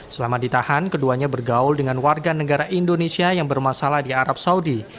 selama ditahan keduanya bergaul dengan warga negara indonesia yang bermasalah di arab saudi